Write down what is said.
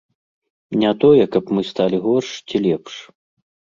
Не тое, каб мы сталі горш ці лепш.